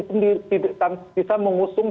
sendiri bisa mengusung